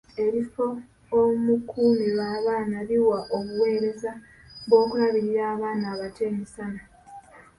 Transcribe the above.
Ebifo omukuumirwa abaana biwa obuweereza bw'okulabirira abaana abato emisana.